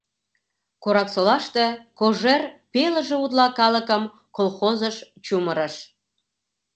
Кораксолаште Кожер пелыже утла калыкым колхозыш чумырыш.